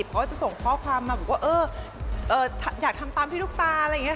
เขาก็จะส่งข้อความมาบอกว่าเอออยากทำตามพี่ลูกตาอะไรอย่างนี้